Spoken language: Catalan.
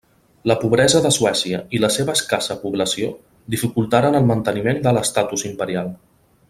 La pobresa de Suècia i la seva escassa població dificultaren el manteniment de l'estatus imperial.